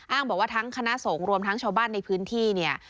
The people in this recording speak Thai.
บอกว่าทั้งคณะสงฆ์รวมทั้งชาวบ้านในพื้นที่เนี่ย